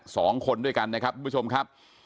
สองคนด้วยกันนะครับทุกผู้ชมครับ